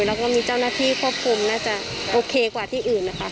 แล้วก็มีเจ้าหน้าที่ควบคุมน่าจะโอเคกว่าที่อื่นนะคะ